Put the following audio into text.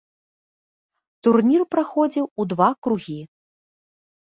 Турнір праходзіў у два кругі.